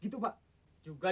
kau paham kampenya hai